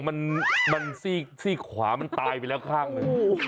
มันซี่ขวามันตายไปแล้วข้างหนึ่ง